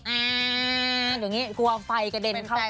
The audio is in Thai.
เดี๋ยวนี้กลัวไฟกระเด็นเข้าตา